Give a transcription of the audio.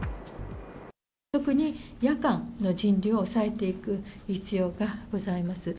特に夜間の人流を抑えていく必要がございます。